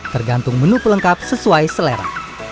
tergantung menu pelengkap sesuai selera